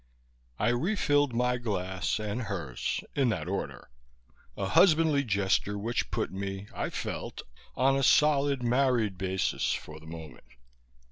I refilled my glass and hers, in that order a husbandly gesture which put me, I felt, on a solid married basis for the moment.